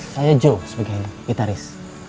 saya joe sebagai gitaris